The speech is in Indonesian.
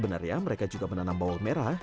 di indonesia mereka juga menanam bawang merah